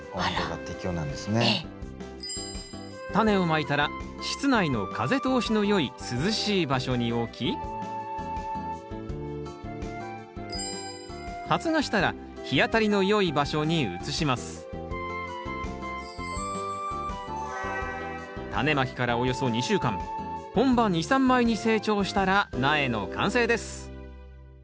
タネをまいたら室内の風通しのよい涼しい場所に置き発芽したら日当たりのよい場所に移します本葉２３枚に成長したら苗の完成です。